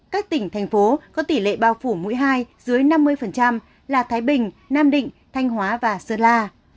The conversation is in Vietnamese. các tỉnh thành phố có tỷ lệ bao phủ mũi hai dưới năm mươi là thái bình nam định thanh hóa và sơn la